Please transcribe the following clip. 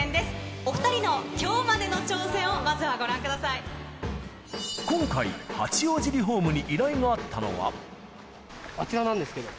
お２人のきょうまでの挑戦をまず今回、八王子リホームに依頼あちらなんですけど。